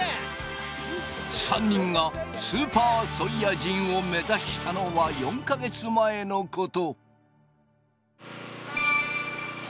３人がスーパーソイヤ人を目指したのは４か月前のこと。